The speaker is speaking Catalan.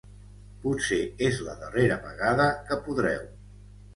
Potser és la darrera vegada que podreu.